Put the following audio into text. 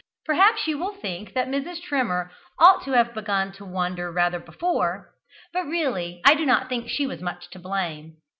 Perhaps you will think that Mrs. Trimmer ought to have begun to wonder rather before, but really I do not think she was much to blame.